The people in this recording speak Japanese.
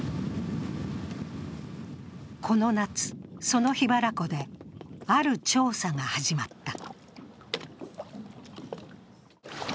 この夏、その檜原湖である調査が始まった。